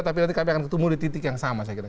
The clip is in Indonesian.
tapi nanti kami akan ketemu di titik yang sama saya kira